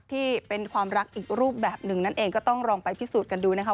ที่เป็นความรักอีกรูปแบบหนึ่งนั่นเองก็ต้องลองไปพิสูจน์กันดูนะคะ